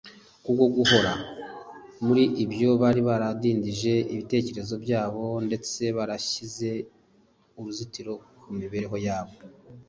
. Kubwo guhora muri ibyo, bari baradindije ibitekerezo byabo ndetse barashyize uruzitiro ku mibereho yabo.